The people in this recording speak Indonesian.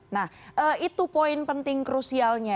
nah itu poin penting krusialnya